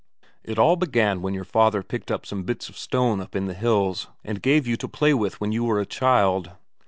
It all began when your father picked up some bits of stone up in the hills, and gave you to play with when you were a child.